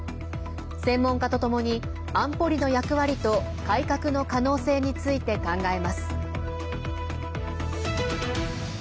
専門家とともに安保理の役割と改革の可能性について考えます。